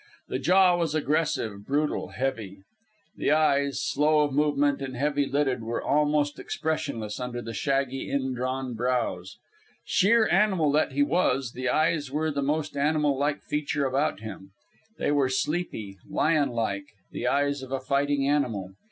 The jaw was aggressive, brutal, heavy. The eyes, slow of movement and heavy lidded, were almost expressionless under the shaggy, indrawn brows. Sheer animal that he was, the eyes were the most animal like feature about him. They were sleepy, lion like the eyes of a fighting animal.